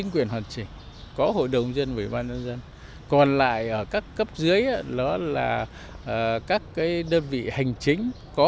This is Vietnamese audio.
quận một cái cố gắng